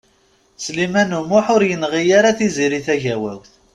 Sliman U Muḥ ur yenɣi ara Tiziri Tagawawt.